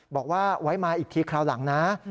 บอกว่าไว้มาอีกทีคราวหลังนะ